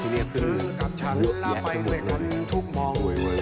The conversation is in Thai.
ดีที่จะเห็น